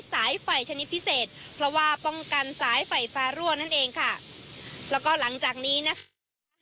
สายไฟชนิดพิเศษเพราะว่าป้องกันสายไฟฟ้ารั่วนั่นเองค่ะแล้วก็หลังจากนี้นะคะ